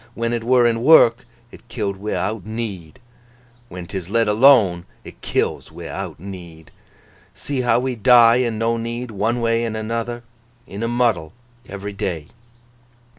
When it were in work, it killed wi'out need; when 'tis let alone, it kills wi'out need. See how we die an' no need, one way an' another—in a muddle—every day!